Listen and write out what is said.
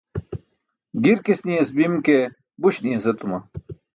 Girks niyas bim ke, buś niyas etuma.